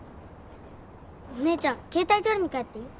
お姉ちゃん携帯取りに帰っていい？